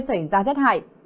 xảy ra rét hại